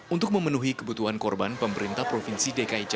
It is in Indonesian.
untuk memenuhi kebutuhan korban pemerintah tersebut mencari tempat yang lebih baik